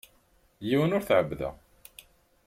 Yiwen ur t-ɛebbdeɣ.